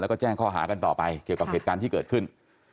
แล้วก็แจ้งข้อหากันต่อไปเกี่ยวกับเหตุการณ์ที่เกิดขึ้น